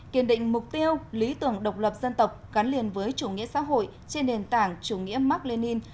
kiên định mục tiêu lý tưởng độc lập dân tộc gắn liền với chủ nghĩa xã hội trên nền tảng chủ nghĩa mark lenin